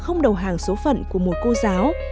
không đầu hàng số phận của một cô giáo